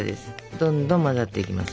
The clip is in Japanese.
どんどん混ざっていきます。